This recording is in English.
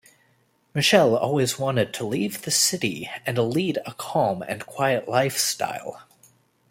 Michelle always wanted to leave the city and lead a calm and quiet lifestyle.